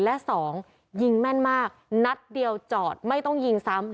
และสองยิงแม่นมากนัดเดียวจอดไม่ต้องยิงซ้ำ